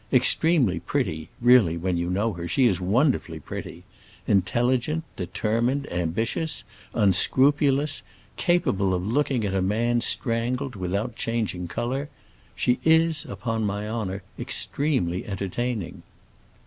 Extremely pretty,—really, when you know her, she is wonderfully pretty,—intelligent, determined, ambitious, unscrupulous, capable of looking at a man strangled without changing color, she is upon my honor, extremely entertaining."